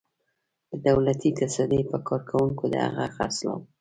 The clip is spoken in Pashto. د دولتي تصدۍ په کارکوونکو د هغه خرڅلاو.